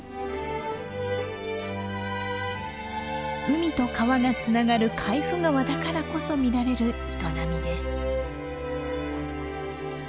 海と川がつながる海部川だからこそ見られる営みです。